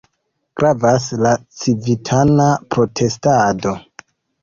Gravas la civitana protestado.